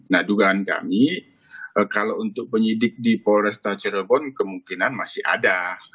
nah dugaan kami kalau untuk penyidik di polresta cirebon kemungkinan masih ada